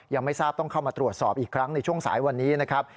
ยังไม่ทราบต้องเข้ามาตรวจสอบอีกครั้งในช่วงสายวันนี้นะครับ